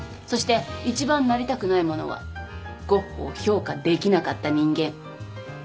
そして一番なりたくないものはゴッホを評価できなかった人間。